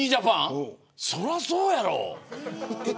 それはそうやろ。